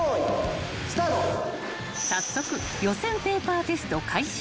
［早速予選ペーパーテスト開始］